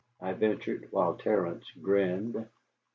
I ventured, while Terence grinned.